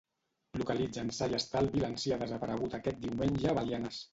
Localitzen sa i estalvi l'ancià desaparegut aquest diumenge a Belianes.